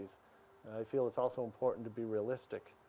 saya merasa juga penting untuk menjadi realistik